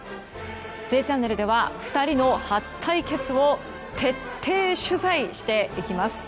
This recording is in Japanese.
「Ｊチャンネル」では２人の初対決を徹底取材していきます。